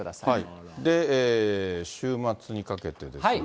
週末にかけてですが。